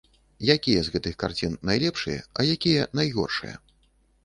Якія з гэтых карцін найлепшыя, а якія найгоршыя?